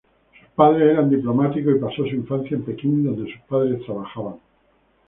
Sus padres eran diplomáticos y pasó su infancia en Pekín, donde sus padres trabajaban.